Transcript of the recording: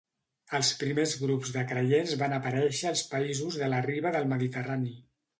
Els primers grups de creients van aparèixer als països de la riba del Mediterrani.